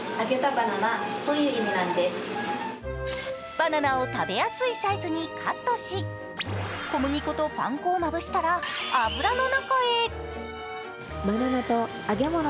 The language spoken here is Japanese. バナナを食べやすいサイズにカットし、小麦粉とパン粉をまぶしたら油の中へ。